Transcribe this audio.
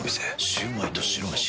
シュウマイと白めし。